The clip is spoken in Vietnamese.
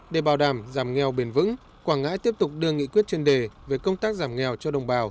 để bảo đảm giảm nghèo bền vững quảng ngãi tiếp tục đưa nghị quyết chuyên đề về công tác giảm nghèo cho đồng bào